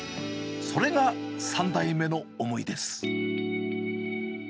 それが３代目の思いです。